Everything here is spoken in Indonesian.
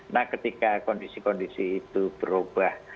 nah ketika kondisi kondisi itu berubah